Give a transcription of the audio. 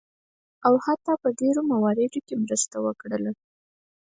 او حتی په ډیرو مواردو کې مرسته وکړله.